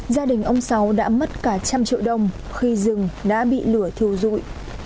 gia đình ông sáu đã mất cả trăm triệu đồng khi rừng đã bị lửa thiêu dụi